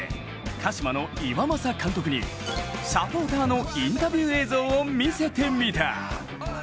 鹿島の岩政監督に、サポーターのインタビュー映像を見せてみた。